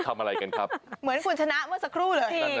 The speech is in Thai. ทำอะไรกันครับเหมือนคุณชนะเมื่อสักครู่เลย